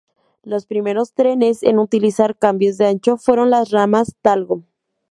Los primeros trenes en utilizar cambio de ancho fueron las ramas Talgo.